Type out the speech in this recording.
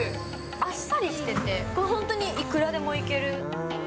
あっさりしてて、本当にいくらでもいける。